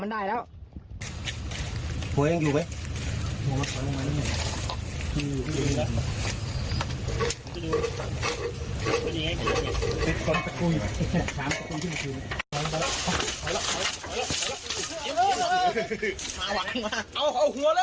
ลองดูกินมียกต้นแตกยุ่งช้ำคือผู้ชื่อ